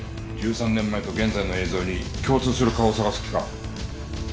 １３年前と現在の映像に共通する顔を捜す気か？